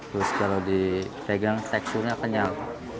terus kalau dipegang teksturnya kenyal